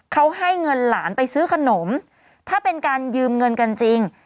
เขาให้เงินหลานไปซื้อขนมถ้าเป็นการยืมเงินกันจริง